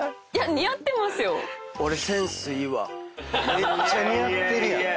めっちゃ似合ってるやん。